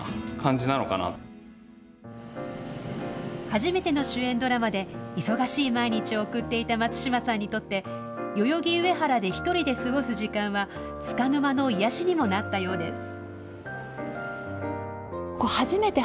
初めての主演ドラマで忙しい毎日を送っていた松嶋さんにとって代々木上原で１人で過ごす時間はつかの間の癒やしにもなったようです。